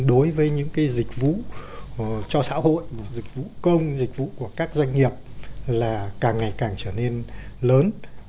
đối với những dịch vụ cho xã hội dịch vụ công dịch vụ của các doanh nghiệp là càng ngày càng trở nên lớn